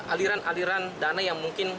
aliran aliran dana yang mungkin